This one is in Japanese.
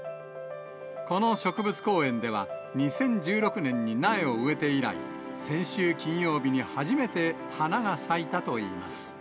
この植物公園では、２０１６年に苗を植えて以来、先週金曜日に初めて花が咲いたといいます。